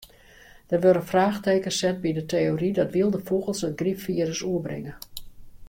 Der wurde fraachtekens set by de teory dat wylde fûgels it grypfirus oerbringe.